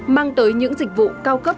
mang tới những dịch vụ cao cấp